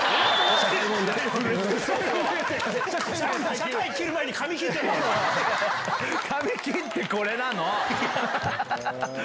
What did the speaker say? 社会切る前に髪切ってこい。